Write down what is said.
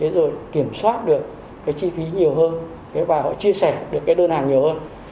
rồi kiểm soát được cái chi phí nhiều hơn và họ chia sẻ được cái đơn hàng nhiều hơn